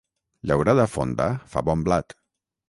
Llaurada fonda fa bon blat.